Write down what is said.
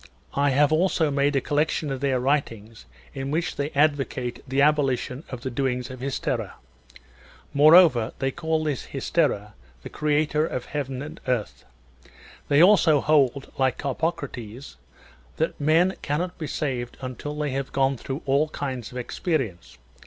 I have also made a collection of their writings in which they advocate the abolition of the doings of Hystera.^ More over, they call this Hystera the creator of heaven and earth. They also hold, like Carpocrates, that men cannot be saved until they have gone through all kinds of experience.